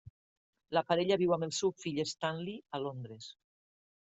La parella viu amb el seu fill, Stanley, a Londres.